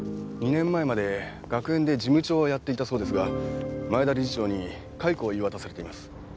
２年前まで学園で事務長をやっていたそうですが前田理事長に解雇を言い渡されています。